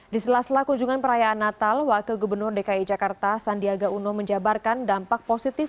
di sela sela kunjungan perayaan natal wakil gubernur dki jakarta sandiaga uno menjabarkan dampak positif